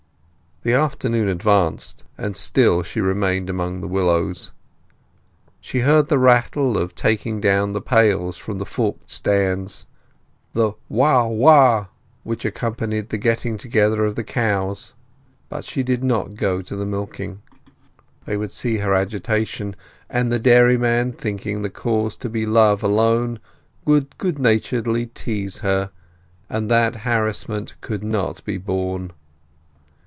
The afternoon advanced, and still she remained among the willows. She heard the rattle of taking down the pails from the forked stands; the "waow waow!" which accompanied the getting together of the cows. But she did not go to the milking. They would see her agitation; and the dairyman, thinking the cause to be love alone, would good naturedly tease her; and that harassment could not be borne.